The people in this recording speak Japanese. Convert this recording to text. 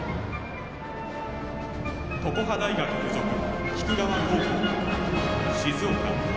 常葉大学付属菊川高校・静岡。